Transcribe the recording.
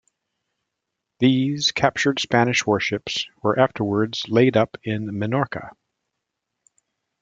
These captured Spanish warships were afterwards laid up in Minorca.